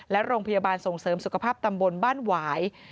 และโรงพยาบาลส่งเสริมสุขภาพตำบลบ้านหวาย